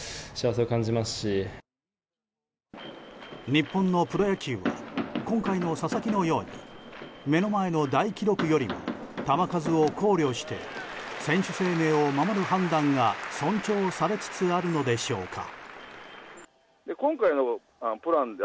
日本のプロ野球は今回の佐々木のように目の前の大記録よりも球数を考慮して選手生命を守る判断が尊重されつつあるのでしょうか。